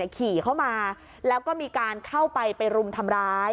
ขี่เข้ามาแล้วก็มีการเข้าไปไปรุมทำร้าย